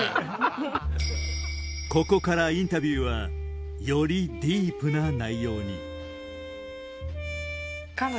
ここからインタビューはよりディープな内容にうん。